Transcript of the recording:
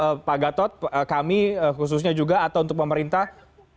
oke pak gatot kami khususnya juga atau untuk pemerintah